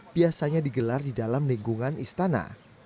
biasanya digelar di dalam lingkungan istana